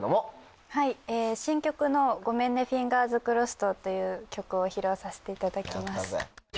はい新曲の『ごめんねＦｉｎｇｅｒｓｃｒｏｓｓｅｄ』という曲を披露させていただきます。